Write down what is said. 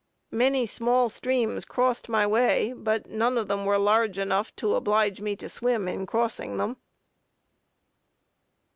Many small streams crossed my way, but none of them were large enough to oblige me to swim in crossing them.